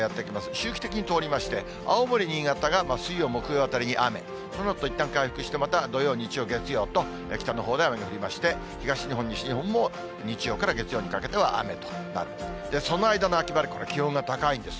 周期的に通りまして、青森、新潟が水曜、木曜あたりに雨、そのあといったん回復して、また土曜、日曜、月曜と、北のほうで雨が降りまして、東日本、西日本も日曜から月曜にかけては雨となる見込みで、その間の秋晴れ、これ、気温が高いんです。